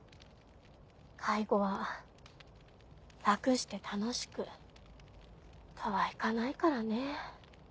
介護は楽して楽しくとは行かないからね。